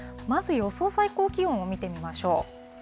まず予想最高気温を見てみましょう。